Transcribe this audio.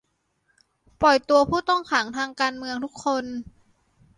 ปล่อยตัวผู้ต้องขังทางการเมืองทุกคน